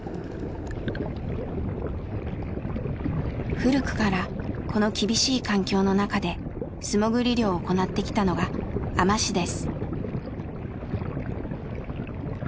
古くからこの厳しい環境の中で素もぐり漁を行ってきたのが海士です。